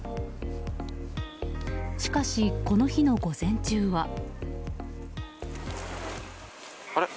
しかし、この日の午前中は。